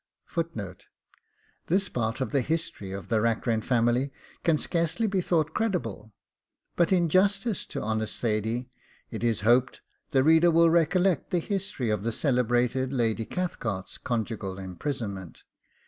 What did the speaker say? This part of the history of the Rackrent family can scarcely be thought credible; but in justice to honest Thady, it is hoped the reader will recollect the history of the celebrated Lady Cathcart's conjugal imprisonment.